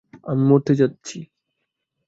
আমি মরতে যাচ্ছি!